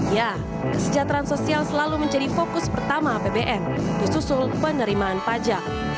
ya kesejahteraan sosial selalu menjadi fokus pertama apbn disusul penerimaan pajak